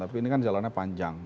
tapi ini kan jalannya panjang